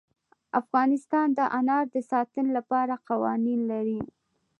افغانستان د انار د ساتنې لپاره قوانین لري.